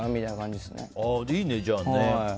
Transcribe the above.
いいね、じゃあね。